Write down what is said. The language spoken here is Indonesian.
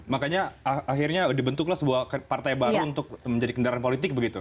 makanya akhirnya dibentuklah sebuah partai baru untuk menjadi kendaraan politik begitu